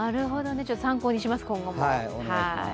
参考にします、今後も。